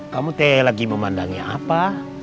kamu lagi memandang apa